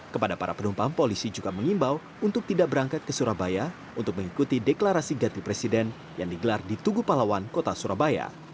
kepada para penumpang polisi juga mengimbau untuk tidak berangkat ke surabaya untuk mengikuti deklarasi ganti presiden yang digelar di tugu pahlawan kota surabaya